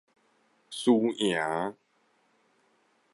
輸贏